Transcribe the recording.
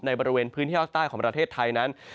บริเวณพื้นที่ภาคใต้ของประเทศไทยนั้น